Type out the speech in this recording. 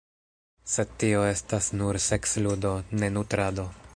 Sed tio estas nur seksludo, ne nutrado.